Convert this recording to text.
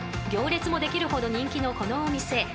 ［行列もできるほど人気のこのお店］